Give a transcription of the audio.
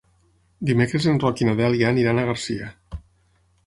Dimecres en Roc i na Dèlia aniran a Garcia.